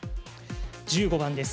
１５番です。